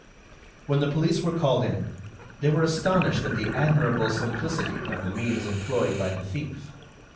When the police were called in, they were astonished at the admirable simplicity of the means employed by the thief.